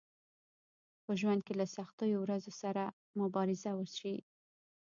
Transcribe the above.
په ژوند کې له سختو ورځو سره مبارزه وشئ